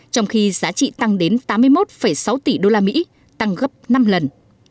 trong khi giá trị tăng đến tám mươi một sáu tỷ đô la mỹ tăng gấp năm lần